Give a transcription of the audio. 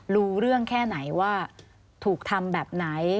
รู้เรื่องแค่ไหนว่าถูกทำแบบไหน